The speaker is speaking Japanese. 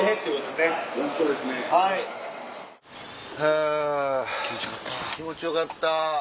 はぁ気持ちよかった。